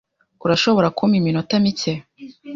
Urashobora kumpa iminota mike?